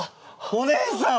お姉さん！